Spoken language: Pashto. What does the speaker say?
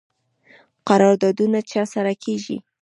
قراردادونه چا سره کیږي؟